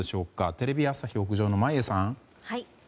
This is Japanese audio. テレビ朝日屋上の眞家さん。